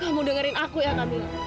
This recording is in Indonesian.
kamu dengerin aku ya kami